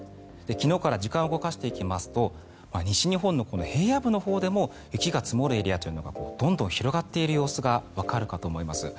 昨日から時間を動かしていきますと西日本の平野部のほうでも雪が積もるエリアというのがどんどん広がっている様子がわかるかと思います。